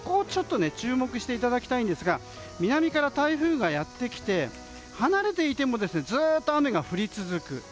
注目していただきたいんですが南から台風がやってきて離れていてもずっと雨が降り続く。